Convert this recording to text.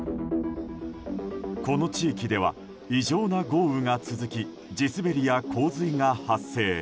この地域では異常な豪雨が続き地滑りや洪水が発生。